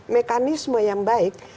mekanisme yang baik